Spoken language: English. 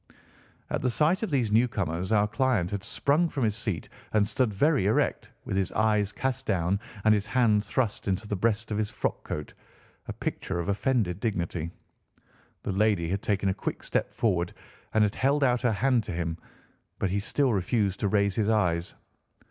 At the sight of these newcomers our client had sprung from his seat and stood very erect, with his eyes cast down and his hand thrust into the breast of his frock coat, a picture of offended dignity. The lady had taken a quick step forward and had held out her hand to him, but he still refused to raise his eyes.